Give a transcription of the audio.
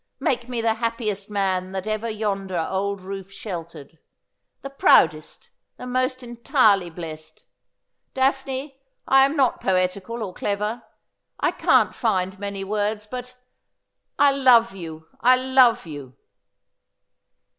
Make me the happiest man that ever yonder old roof sheltered — the proudest, the most entirely blest. Daphne, I am not poetical, or clever. I can't find many words, but — I love you — I love you.'